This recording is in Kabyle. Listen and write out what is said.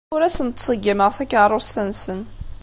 Ur asen-ttṣeggimeɣ takeṛṛust-nsen.